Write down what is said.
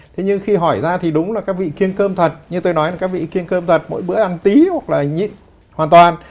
thế nhưng khi hỏi ra thì đúng là các vị kiên cơm thật như tôi nói là các vị kiên cơm thật mỗi bữa ăn tí hoặc là nhịn hoàn toàn